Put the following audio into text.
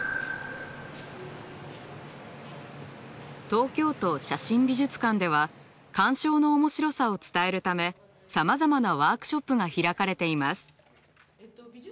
東京都写真美術館では鑑賞の面白さを伝えるためさまざまなワークショップが開かれています。